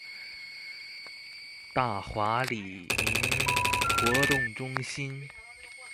大華里民活動中心